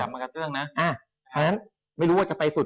เพราะฉะนั้นไม่รู้ว่าจะไปสุด